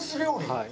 はい。